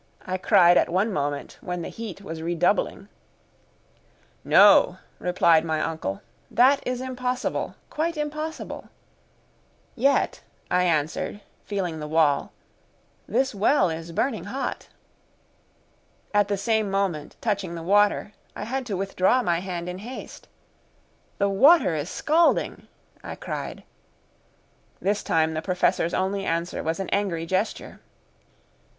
I cried at one moment when the heat was redoubling. "No," replied my uncle, "that is impossible quite impossible!" "Yet," I answered, feeling the wall, "this well is burning hot." At the same moment, touching the water, I had to withdraw my hand in haste. "The water is scalding," I cried. This time the Professor's only answer was an angry gesture.